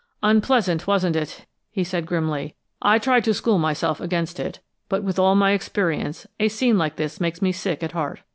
"Unpleasant, wasn't it?" he asked grimly. "I try to school myself against it, but with all my experience, a scene like this makes me sick at heart.